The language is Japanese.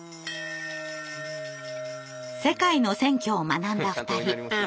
世界の選挙を学んだ２人。